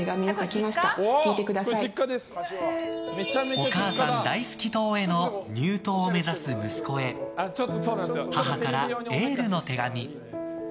お母さん大好き党への入党を目指す息子へ母からエールの手紙。